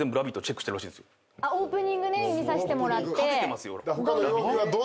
オープニング見させてもらって。